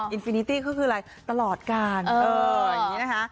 อินฟินิตี้ก็คืออะไรตลอดกาลอย่างนี้นะคะ